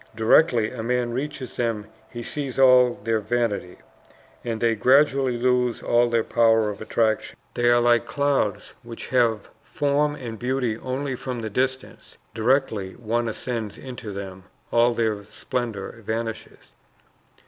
Directly a man reaches them he sees all their vanity, and they gradually lose all their power of attraction. They are like clouds which have form and beauty only from the distance; directly one ascends into them, all their splendor vanishes.